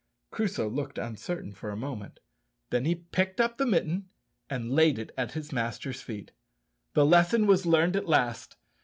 Crusoe looked uncertain for a moment, then he picked up the mitten and laid it at his master's feet. The lesson was learned at last!